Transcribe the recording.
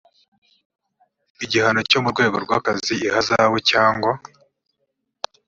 igihano cyo mu rwego rw akazi ihazabu cyangwa